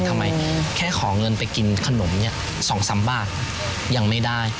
แค่ขอเงินไปกินขนม๒๓บาทยังไม่ได้